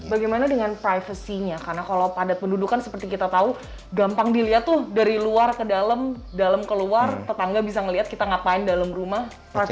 bagaimana dengan privacy nya karena kalau padat pendudukan seperti kita tahu gampang dilihat tuh dari luar ke dalam dalam keluar tetangga bisa ngeliat kita ngapain dalam rumah